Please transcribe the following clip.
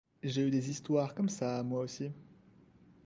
J'ai eu des histoires comme ça, moi aussi.